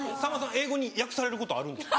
英語に訳されることあるんですか？